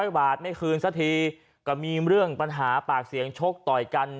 ๐บาทไม่คืนสักทีก็มีเรื่องปัญหาปากเสียงชกต่อยกัน